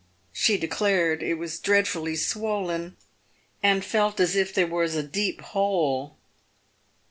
She de clared it was dreadfully swollen, and felt as if there was a deep hole.